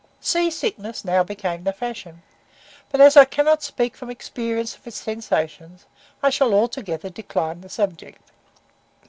Sea sickness now became the fashion, but, as I cannot speak from experience of its sensations, I shall altogether decline the subject.